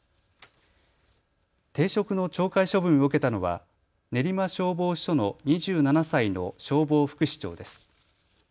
停職の懲戒処分を受けたのは練馬消防署の２７歳の消防副士長です。